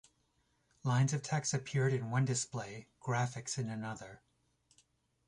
Lines of text appeared in one display, graphics in another.